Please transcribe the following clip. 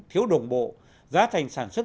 thiếu đồng bộ giá thành sản xuất